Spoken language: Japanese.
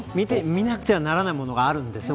見なくちゃならないものがあるんですよ。